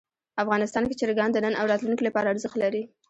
افغانستان کې چرګان د نن او راتلونکي لپاره ارزښت لري.